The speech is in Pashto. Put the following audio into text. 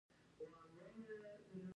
زراعتي انجنیری د کرنې لپاره ده.